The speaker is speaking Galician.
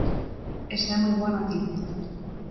Esa é moi boa noticia.